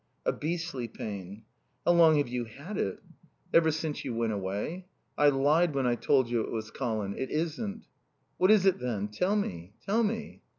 "A beastly pain." "How long have you had it?" "Ever since you went away. I lied when I told you it was Colin. It isn't." "What is it, then? Tell me. Tell me."